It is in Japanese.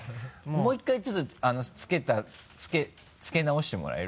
もう１回ちょっとつけ直してもらえる？